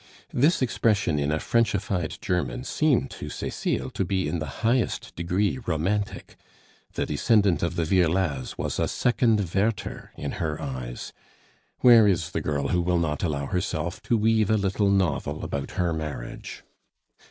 This expression in a Frenchified German seemed to Cecile to be in the highest degree romantic; the descendant of the Virlaz was a second Werther in her eyes where is the girl who will not allow herself to weave a little novel about her marriage?